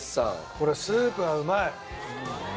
これスープがうまい！